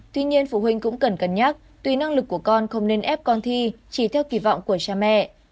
tuy nhiên phụ huynh cũng cần cân nhắc tùy năng lực của con không nên ép con thi chỉ theo kỳ vọng của cha mẹ